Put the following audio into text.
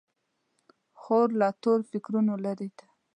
خور له تور فکرونو لیرې ده.